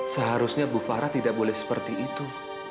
seharusnya bu farah tidak boleh seperti itu